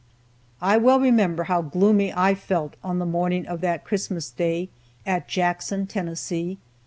I well remember how gloomy I felt on the morning of that Christmas Day at Jackson, Tennessee.